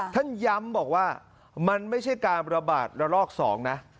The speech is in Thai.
ท่านย้ำบอกว่ามันไม่ใช่การระบาดระลอก๒นะ